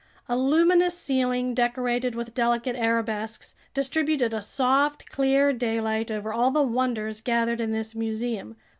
A luminous ceiling, decorated with delicate arabesques, distributed a soft, clear daylight over all the wonders gathered in this museum.